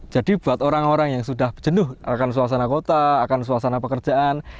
jadi buat orang orang yang sudah jenuh akan suasana kota akan suasana pekerjaan